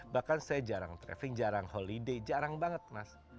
bahkan saya jarang traffing jarang holiday jarang banget mas